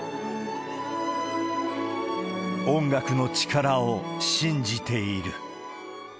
音楽の力を信じている。